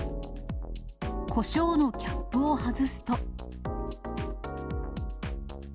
こしょうのキャップを外すと。